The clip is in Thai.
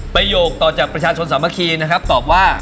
ประโยคต่อจากประชาชนสามัคคีนะครับตอบว่า